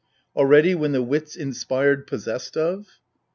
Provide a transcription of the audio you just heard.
Already when the wits inspired possessed of?